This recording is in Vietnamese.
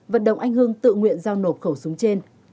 vận động anh hưng tự nguyện giao nộp khẩu súng trên